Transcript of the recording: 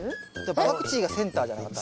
パクチーがセンターじゃなかった？